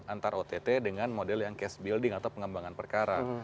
antara ott dengan model yang cash building atau pengembangan perkara